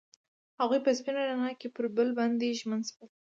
هغوی په سپین رڼا کې پر بل باندې ژمن شول.